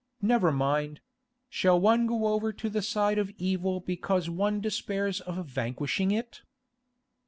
Never mind; shall one go over to the side of evil because one despairs of vanquishing it?